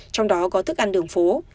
trong đó có thức ăn đường phố